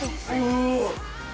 ・お！